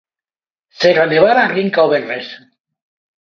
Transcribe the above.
Serra Nevada arrinca o venres.